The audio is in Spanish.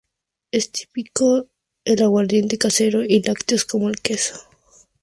Es típico el aguardiente casero y lácteos como el queso.